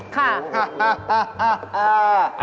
ค่ะ